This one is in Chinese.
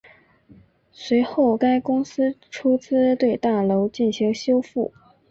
随后该公司出资对大楼进行修复。